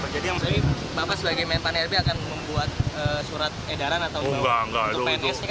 jadi bapak sebagai menteri pendaya gunaan aparatur negara akan membuat surat edaran atau untuk pns